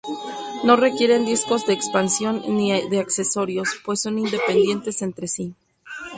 No requieren discos de expansión ni de accesorios, pues son independientes entre sí.